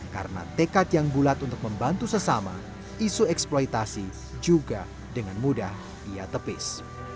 karena tekad yang bulat untuk membantu sesama isu eksploitasi juga dengan mudah ia tepis